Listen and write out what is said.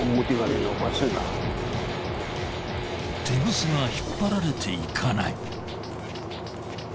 テグスが引っ張られていかない。